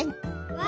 わ！